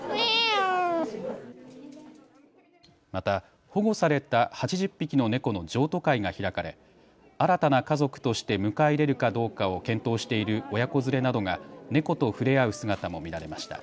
また保護された８０匹の猫の譲渡会が開かれ新たな家族として迎え入れるかどうかを検討している親子連れなどが猫と触れ合う姿も見られました。